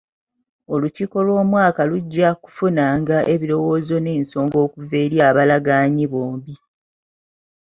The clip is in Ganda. Olukiiko lw'omwaka lujja kufunanga ebirowoozo n'ensonga okuva eri abalagaanyi bombi.